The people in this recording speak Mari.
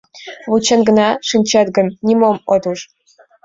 Вучен гына шинчет гын, нимом от уж.